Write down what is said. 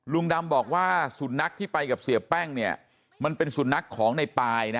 ลุงดำบอกว่าสุนัขที่ไปกับเสียแป้งเนี่ยมันเป็นสุนัขของในปายนะ